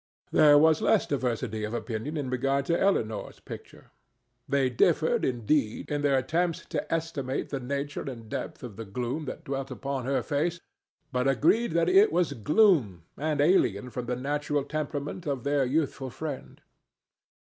There was less diversity of opinion in regard to Elinor's picture. They differed, indeed, in their attempts to estimate the nature and depth of the gloom that dwelt upon her face, but agreed that it was gloom and alien from the natural temperament of their youthful friend.